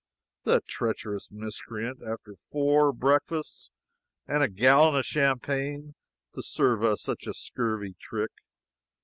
The treacherous miscreant! After four breakfasts and a gallon of champagne, to serve us such a scurvy trick.